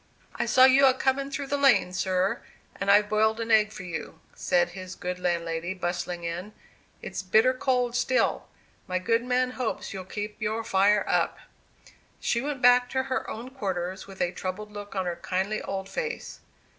"I saw you a comin' through the lane, sir, and I've boiled an egg for you," said his good landlady, bustling in. "It's bitter cold still. My good man hopes you'll keep your fire up." She went back to her own quarters with a troubled look on her kindly old face.